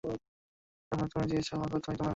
জন্ম দিয়েছ তুমি মাগো, তাই তোমায় ভালোবাসি।